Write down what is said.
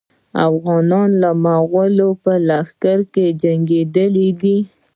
افغانان د مغولو په لښکرو کې جنګېدلي دي.